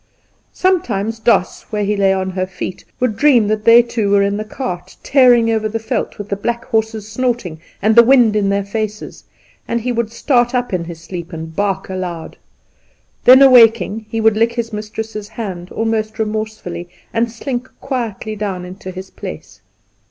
Sometimes Doss where he lay on her feet would dream that they two were in the cart, tearing over the veld, with the black horses snorting, and the wind in their faces; and he would start up in his sleep and bark aloud. Then awaking, he would lick his mistress' hand almost remorsefully, and slink quietly down into his place.